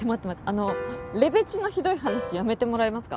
あのレベチのひどい話やめてもらえますか？